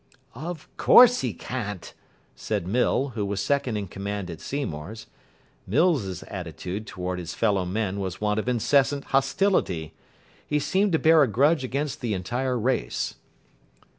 "Of course he can't," said Mill, who was second in command at Seymour's. Mill's attitude towards his fellow men was one of incessant hostility. He seemed to bear a grudge against the entire race.